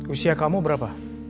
usia kamu berapa